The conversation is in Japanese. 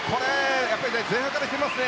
前半からきますね